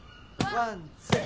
ワンツー！